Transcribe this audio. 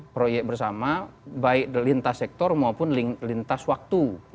proyek bersama baik lintas sektor maupun lintas waktu